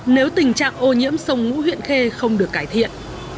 nếu tình trạng ô nhiễm sông ngũ huyện khê không được cải thiện